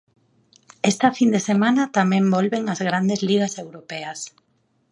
Esta fin de semana tamén volven as grandes ligas europeas.